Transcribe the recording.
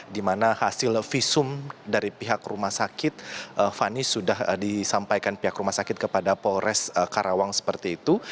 di mana hasil visum dari pihak rumah sakit fani sudah disampaikan pihak rumah sakit kepada polres karawang seperti itu